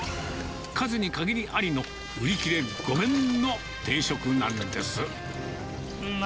数に限りありの、売り切れ御免の定食なんです。